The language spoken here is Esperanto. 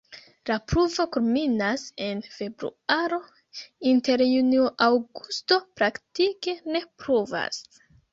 La pluvo kulminas en februaro, inter junio-aŭgusto praktike ne pluvas.